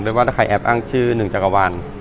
ว่าถ้าใครแอบอ้างชื่อหนึ่งจักรวาล